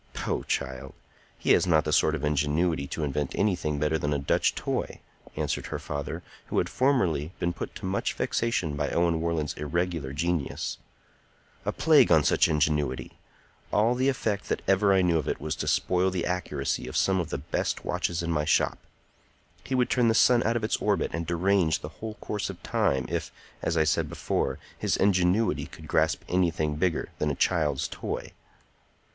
"Poh, child! He has not the sort of ingenuity to invent anything better than a Dutch toy," answered her father, who had formerly been put to much vexation by Owen Warland's irregular genius. "A plague on such ingenuity! All the effect that ever I knew of it was to spoil the accuracy of some of the best watches in my shop. He would turn the sun out of its orbit and derange the whole course of time, if, as I said before, his ingenuity could grasp anything bigger than a child's toy!"